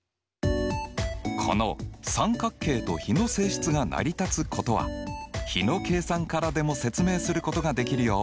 この三角形と比の性質が成り立つことは比の計算からでも説明することができるよ。